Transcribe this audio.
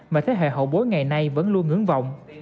mà thế hệ hậu bối ngày nay vẫn luôn ngưỡng vọng